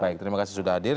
baik terima kasih sudah hadir